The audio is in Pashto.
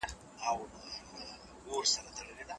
د مجردانو په اړه معلومات راغونډ سوي دي.